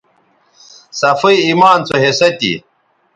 صفائ ایمان سو حصہ تھی